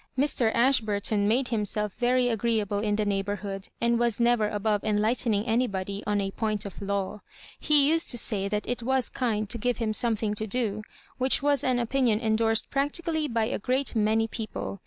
Mr. Ashburton made himself very agreeable in the neighbourhood, and was never above enlightenmg anybody on a point of law. He used to say that it was kind to give him something to do, which was an opinion endorsed practically by a great many people.